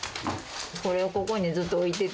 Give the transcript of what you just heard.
これをここにずっと置いてて。